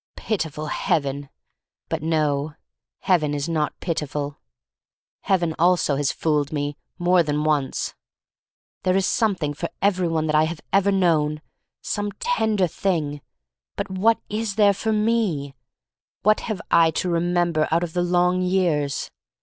Pitiful Heaven! — ^but no, Heaven is not pitiful. Heaven also has fooled me, more than once. There is something for every one that I have ever known — some tender thing. But what is there for me? What have I to remember out of the long years?